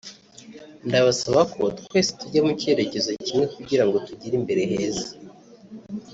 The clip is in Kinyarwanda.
ndabasaba ko twese tujya mu cyerekezo kimwe kugira ngo tugire imbere heza